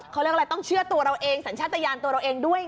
เขาเรียกอะไรต้องเชื่อตัวเราเองสัญชาติยานตัวเราเองด้วย